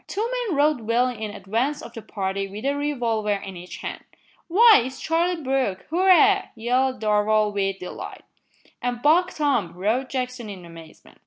Two men rode well in advance of the party with a revolver in each hand. "Why, it's Charlie Brooke! Hurrah!" yelled Darvall with delight. "An' Buck Tom!" roared Jackson in amazement.